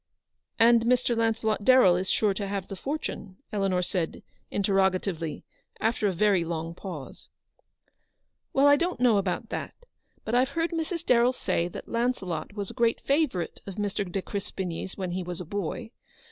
" And Mr. Launcelot Darrell is sure to have the fortune ?" Eleanor said, interrogatively, after a very long pause. " Well, I don't know about that ; but I've heard Mrs. Darrell say that Launcelot was a great favourite of Mr. de Crespigny's when he was a boy.